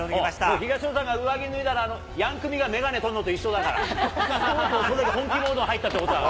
東野さんが上着脱いだら、ヤンクミが眼鏡取るのと一緒だから、それだけ本気モードに入ったということだから。